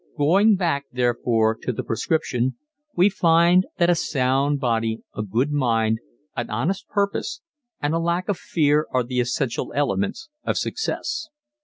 Going back, therefore, to the prescription, we find that a sound body, a good mind, an honest purpose, and a lack of fear are the essential elements of success.